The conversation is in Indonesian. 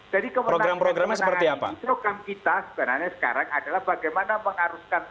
jadi kewenangan kewenangan program kita sebenarnya sekarang adalah bagaimana mengharuskan